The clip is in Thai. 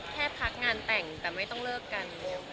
แค่พักงานแต่งแต่ไม่ต้องเลิกกัน